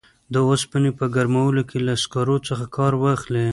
د اوسپنې په ګرمولو کې له سکرو څخه کار واخلي.